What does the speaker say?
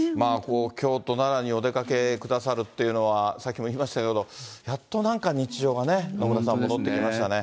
京都、奈良にお出かけくださるというのは、さっきも言いましたけど、やっとなんか日常がね、野村さん、戻ってきましたね。